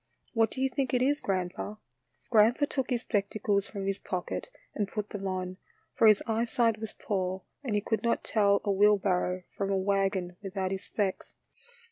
What do you think it is, grandpa? " Grandpa took his spectacles from his pocket and put them on, for his eyesight was poor and he could not tell a wheelbarrow from a wagon without his specs.